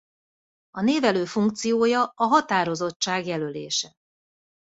A névelő funkciója a határozottság jelölése.